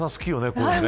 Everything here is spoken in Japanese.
こういうの。